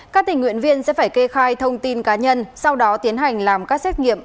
các tình nguyện viên sẽ phải kê khai thông tin cá nhân sau đó tiến hành làm các xét nghiệm